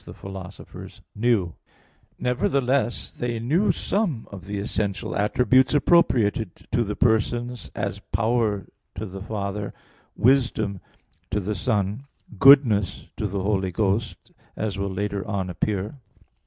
the philosophers "knew" (1 Cor. 2:6). Nevertheless, they knew some of the essential attributes appropriated to the persons, as power to the Father, wisdom to the Son, goodness to the Holy Ghost; as will later on appear.